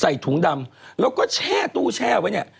ถุงดำแล้วก็แช่ตู้แช่ไว้เนี่ย